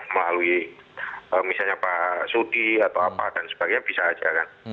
melalui misalnya pak sudi atau apa dan sebagainya bisa aja kan